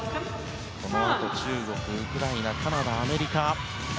このあと中国、ウクライナカナダ、アメリカ。